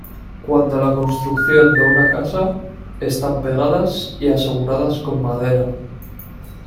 Cuando la construcción de una casa, están pegadas y aseguradas con madera.